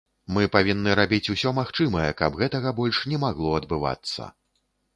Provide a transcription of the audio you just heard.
Мы павінны рабіць усё магчымае, каб гэтага больш не магло адбывацца.